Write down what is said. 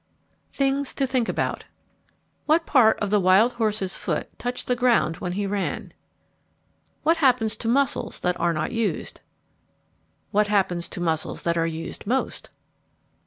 THINGS TO THINK ABOUT What part of the wild horse's foot touched the ground when he ran? What happens to muscles that are not used? What happens to muscles that are used most?